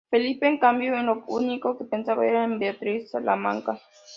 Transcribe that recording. Felipe, en cambio, en lo único que pensaba era en Beatriz: “¿Salamanca?